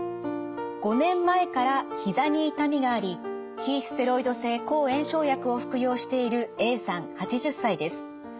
５年前から膝に痛みがあり非ステロイド性抗炎症薬を服用しているＡさん８０歳です。